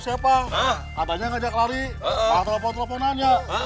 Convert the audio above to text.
siapa katanya ngajak lari telepon telepon nanya